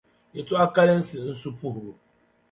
Yɛlitɔɣa kalinsi n-su puhigu.